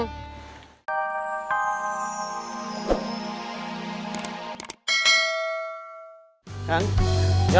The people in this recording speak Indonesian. jadi warisan suratnya